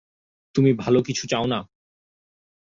তুমি ভালো কিছু চাও না।